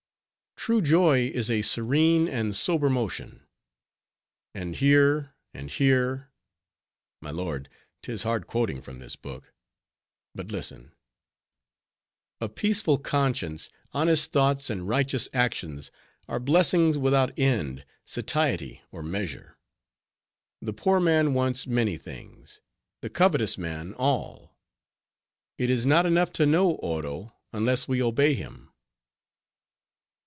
'—'True joy is a serene and sober motion.' And here, and here,—my lord, 'tis hard quoting from this book;—but listen—'A peaceful conscience, honest thoughts, and righteous actions are blessings without end, satiety, or measure. The poor man wants many things; the covetous man, all. It is not enough to know Oro, unless we obey him.